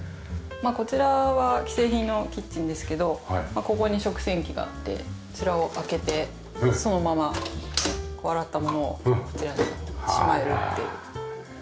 まあこちらは既製品のキッチンですけどここに食洗機があってこちらを開けてそのまま洗ったものをこちらにしまえるっていう。